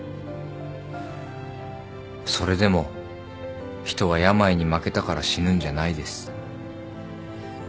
それでも人は病に負けたから死ぬんじゃないです。